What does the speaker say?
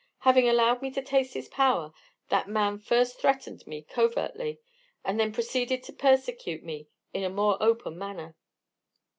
Having allowed me to taste his power, that man first threatened me covertly, and then proceeded to persecute me in a more open manner.